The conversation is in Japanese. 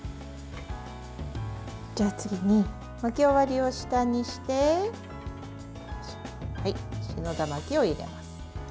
次に、巻き終わりを下にして信田巻きを入れます。